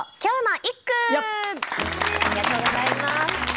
ありがとうございます。